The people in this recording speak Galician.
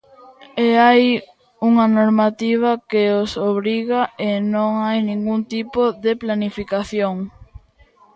E hai unha normativa que os obriga e non hai ningún tipo de planificación.